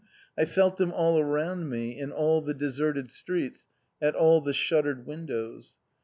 I felt them all around me, in all the deserted streets, at all the shuttered windows.